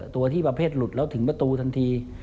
ตัวที่ประเภทหลุดแล้วถึงประตูทันที